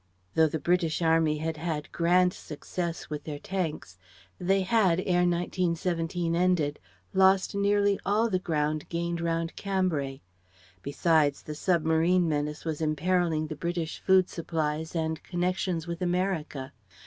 Though the British army had had a grand success with their Tanks, they had, ere 1917 ended, lost nearly all the ground gained round Cambrai. Besides, the submarine menace was imperilling the British food supplies and connections with America.